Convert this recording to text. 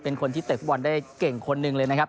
เป็นคนที่เตะฟุตบอลได้เก่งคนหนึ่งเลยนะครับ